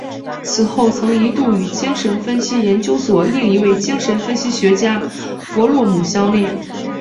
此后曾一度与精神分析研究所另一位精神分析学家弗洛姆相恋。